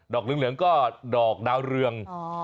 เหลืองก็ดอกดาวเรือง